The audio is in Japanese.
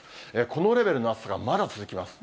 このレベルの暑さがまだ続きます。